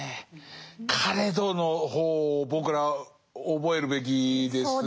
「かれど」の方を僕ら覚えるべきですね。